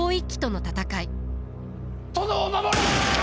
殿を守れ！